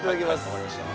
わかりました